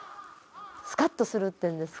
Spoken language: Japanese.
スカッとするっていうんですか？